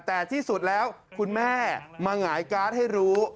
แต่ที่สุดแล้วคุณแม่มาหงายการ์ดให้รู้